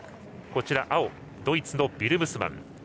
青、ドイツのビルムスマン。